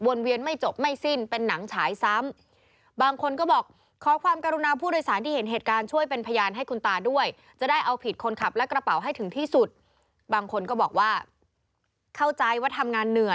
วนเวียนไม่จบไม่สิ้นเป็นหนังฉายซ้ำ